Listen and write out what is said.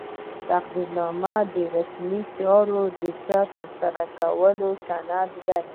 تقدیرنامه د رسمي چارو د ښه ترسره کولو سند دی.